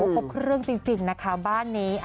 โอ้โหพบเครื่องจริงนะคะบ้านนี้